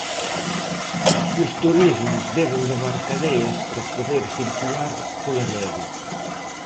Os turismos deben levar cadeas para poder circular pola neve.